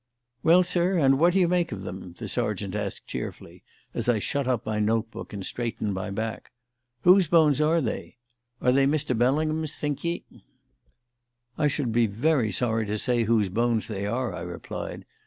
"Well, sir, and what do you make of 'em?" the sergeant asked cheerfully as I shut up my note book and straightened my back. "Whose bones are they? Are they Mr. Bellingham's, think ye?" "I should be very sorry to say whose bones they are," I replied.